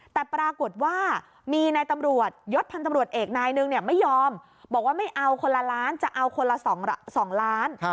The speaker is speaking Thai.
แต่ปรากฏว่ามีนายตำรวจยศพันธ์ตำรวจเอกนายนึงไม่ยอมบอกว่าไม่เอาคนละล้านจะเอาคนละ๒ล้าน